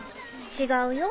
違うよ。